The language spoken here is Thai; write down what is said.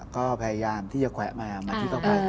ก็พยายามไปแขวะมาที่ต่อไป